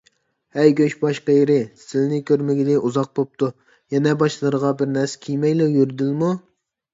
ھەي گۆشباش قېرى، سىلىنى كۆرمىگىلى ئۇزاق بوپتۇ. يەنە باشلىرىغا بىرنەرسە كىيمەيلا يۈردىلىمۇ؟